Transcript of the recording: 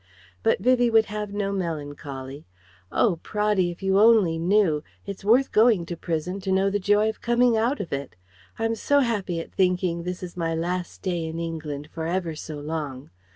But Vivie would have no melancholy. "Oh Praddy! If you only knew. It's worth going to prison to know the joy of coming out of it! I'm so happy at thinking this is my last day in England for ever so long.